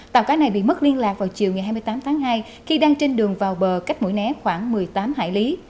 tàu cá này bị mất liên lạc vào chiều ngày hai mươi tám tháng hai khi đang trên đường vào bờ cách mũi né khoảng một mươi tám hải lý